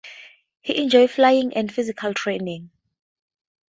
He enjoys flying and physical training.